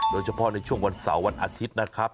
โดยเฉพาะในช่วงวันเสาร์วันอาทิตย์นะครับ